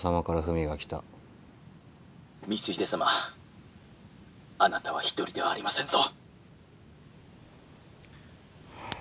「光秀様あなたは一人ではありませんぞ」。